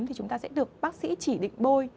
thì chúng ta sẽ được bác sĩ chỉ định bôi